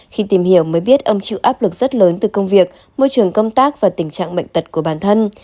khi tìm hiểu mới biết ông chịu áp lực rất lớn từ công việc môi trường công tác và tình trạng bệnh tật của bản thân